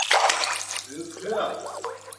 หรือเครื่อง